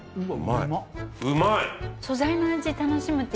うまい！